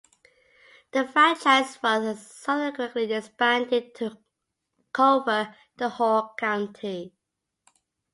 The franchise was subsequently expanded to cover the whole county.